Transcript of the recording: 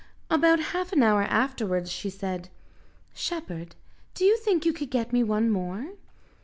About half an hour afterwards, she said, "Shepherd, do you think you could get me one more?"